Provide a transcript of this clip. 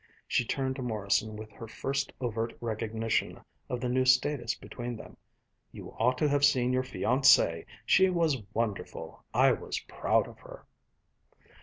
She turned to Morrison with her first overt recognition of the new status between them. "You ought to have seen your fiancée! She was wonderful! I was proud of her!"